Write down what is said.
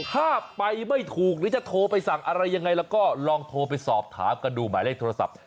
ถ้าไปไม่ถูกหรือจะโทรไปสั่งอะไรยังไงแล้วก็ลองโทรไปสอบถามกันดูหมายเลขโทรศัพท์